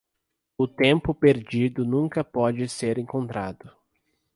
O tempo perdido nunca pode ser encontrado.